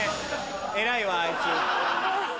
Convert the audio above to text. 偉いわあいつ。